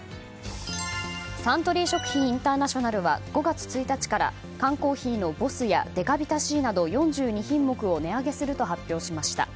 サントリー食品インターナショナルは５月１日から缶コーヒーのＢＯＳＳやデカビタＣなど４２品目を値上げすると発表しました。